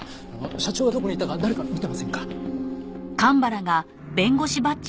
社長がどこに行ったか誰か見てませんか？